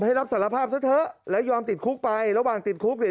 ให้รับสารภาพซะเถอะแล้วยอมติดคุกไประหว่างติดคุกเนี่ย